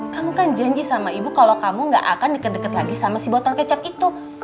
kamu kan janji sama ibu kalau kamu gak akan deket deket lagi sama si botol kecap itu